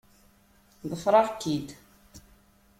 Ḍefreɣ-k-id.